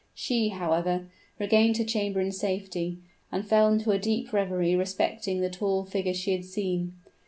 She, however, regained her chamber in safety, and fell into a deep reverie respecting the tall figure she had seen.